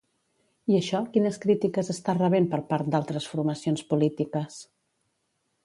I això quines crítiques està rebent per part d'altres formacions polítiques?